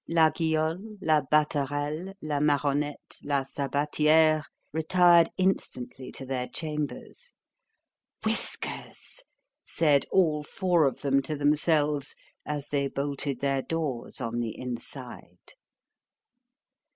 La Guyol, La Battarelle, La Maronette, La Sabatiere, retired instantly to their chambers——Whiskers! said all four of them to themselves, as they bolted their doors on the inside.